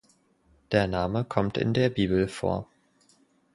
Der Name kommt in der Bibel vor.